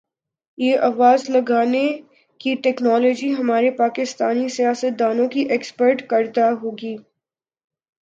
یہ آواز لگانے کی ٹیکنالوجی ہمارے پاکستانی سیاستدا نوں کی ایکسپورٹ کردہ ہوگی